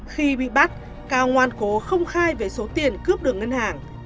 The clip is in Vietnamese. khi bị bắt cao ngoan cố không khai về số tiền cướp được ngân hàng